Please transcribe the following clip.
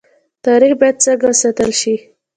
تاریخ باید څنګه وساتل شي؟